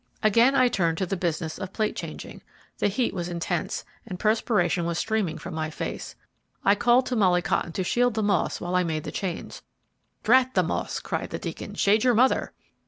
Again I turned to the business of plate changing. The heat was intense, and perspiration was streaming from my face. I called to Molly Cotton to shield the moths while I made the change. "Drat the moths!" cried the Deacon. "Shade your mother!"